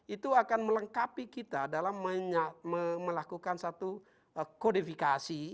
itu akan melengkapi kita dalam melakukan satu kodifikasi